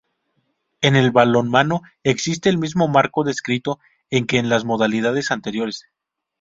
En el balonmano existe el mismo marco descrito en que en las modalidades anteriores.